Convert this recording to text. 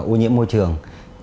u nhiễm môi trường